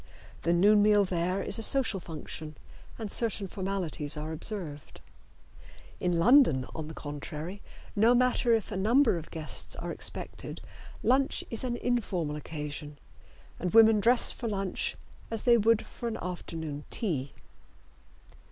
The noon meal there is a social function, and certain formalities are observed. In London, on the contrary, no matter if a number of guests are expected, lunch is an informal occasion, and women dress for lunch as they would for an afternoon tea.